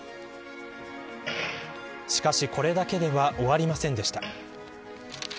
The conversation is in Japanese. しかし、これだけでは終わりませんでした。